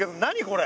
これ。